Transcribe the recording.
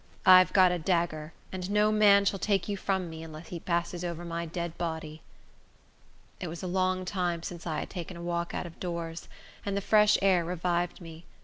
"I've got a dagger, and no man shall take you from me, unless he passes over my dead body." It was a long time since I had taken a walk out of doors, and the fresh air revived me.